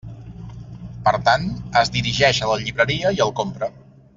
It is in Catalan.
Per tant, es dirigeix a la llibreria i el compra.